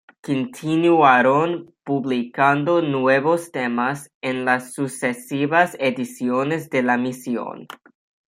Continuaron publicando nuevos temas en las sucesivas ediciones de "La misión".